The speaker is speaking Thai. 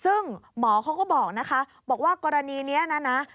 ซึ่งหมอเขาก็บอกนะคะบอกว่ากรณีนี้นะนะ